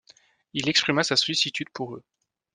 Il exprima sa sollicitude pour eux.